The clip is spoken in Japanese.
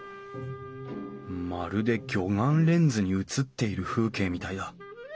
まるで魚眼レンズに映っている風景みたいだ。